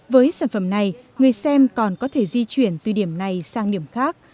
với sản phẩm này người xem còn có thể di chuyển từ điểm này sang điểm khác